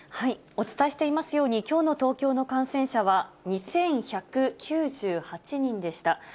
お伝えしていますように、きょうの東京の感染者は２１９８人でした。